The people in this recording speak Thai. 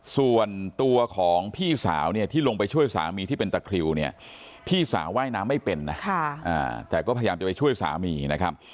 ส่วนตัวของพี่สาวเนี่ยที่ลงไปช่วยสามีที่เป็นตะคริวเนี่ยพี่สาวว่ายน้ำไม่เป็นนะแต่ก็พยายามจะไปช่วยสามีนะครับ